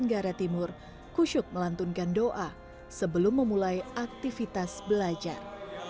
tenggara timur kusyuk melantunkan doa sebelum memulai aktivitas belajar